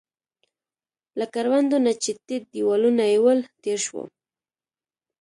له کروندو نه چې ټیټ دیوالونه يې ول، تېر شوو.